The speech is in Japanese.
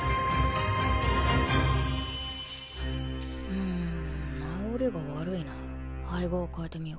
うん治りが悪いな配合を変えてみよう。